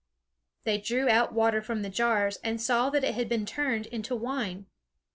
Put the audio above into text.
They drew out water from the jars, and saw that it had been turned into wine.